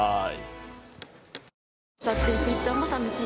はい